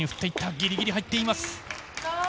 ギリギリ入っています。